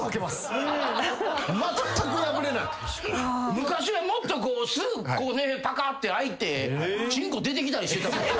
昔はもっとすぐパカッて開いてちんこ出てきたりしてた。